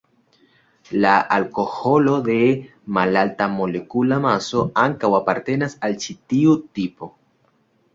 La alkoholoj de malalta molekula maso ankaŭ apartenas al ĉi tiu tipo.